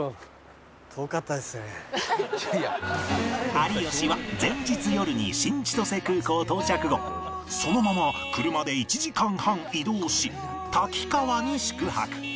有吉は前日夜に新千歳空港到着後そのまま車で１時間半移動し滝川に宿泊